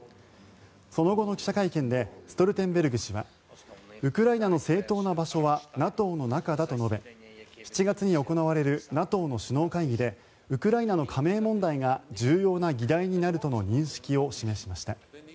その後の記者会見でストルテンベルグ氏はウクライナの正当な場所はＮＡＴＯの中だと述べ７月に行われるＮＡＴＯの首脳会議でウクライナの加盟問題が重要な議題になるとの認識を示しました。